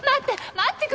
待って！